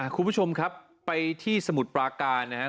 คุณผู้ชมครับไปที่สมุทรปราการนะครับ